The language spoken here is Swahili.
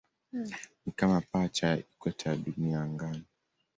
Ni kama pacha ya ikweta ya Dunia angani.